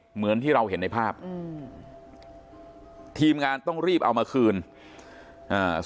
เหมือนที่เราเห็นในภาพอืมทีมงานต้องรีบเอามาคืนอ่า